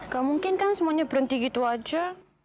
gak mungkin kan semuanya berhenti gitu aja